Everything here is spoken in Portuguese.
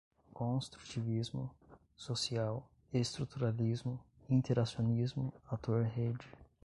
construtivismo social, estruturalismo, interacionismo, ator-rede